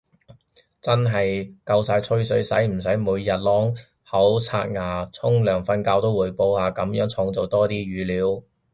真係夠晒吹水，使唔使每日啷口刷牙沖涼瞓覺都滙報下，噉樣創造多啲語料